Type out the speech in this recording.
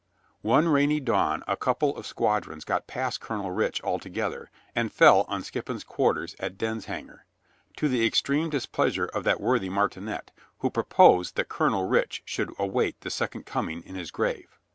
One rainy dawn a couple of squadrons got past Colonel Rich altogether and fell on Skip pon's quarters at Denshanger, to the extreme dis pleasure of that worthy martinet, who proposed that Colonel Rich should await the second coming in his grave.